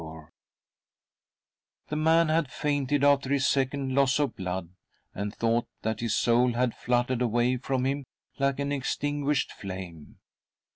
The man had fainted after his second loss of blood, v and thought that his soul had fluttered away from him like an extinguished flame.